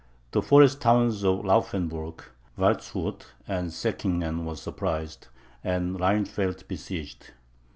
The forest towns of Laufenburg, Waldshut, and Seckingen, were surprised, and Rhinefeldt besieged.